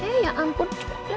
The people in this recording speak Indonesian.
hei ya ampun